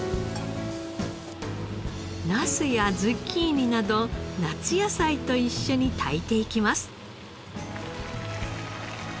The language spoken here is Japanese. ナスやズッキーニなど夏野菜と一緒に炊いていきます。